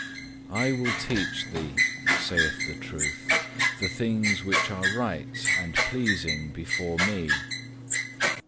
3. "I will teach thee," saith the Truth, "the things which are right and pleasing before Me.